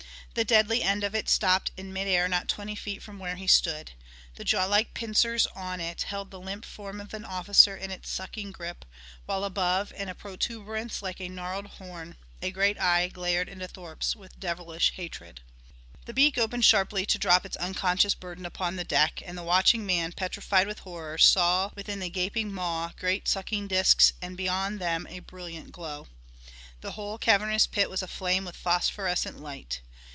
The deadly end of it stopped in mid air not twenty feet from where he stood. The jawlike pincers on it held the limp form of an officer in its sucking grip, while above, in a protuberance like a gnarled horn, a great eye glared into Thorpe's with devilish hatred. The beak opened sharply to drop its unconscious burden upon the deck, and the watching man, petrified with horror, saw within the gaping maw great sucking discs and beyond them a brilliant glow. The whole cavernous pit was aflame with phosphorescent light.